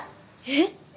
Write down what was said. えっ！